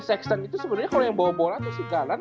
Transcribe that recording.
sexland itu sebenernya kalo yang bawa bola tuh si garland